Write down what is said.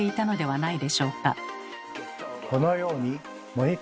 はい？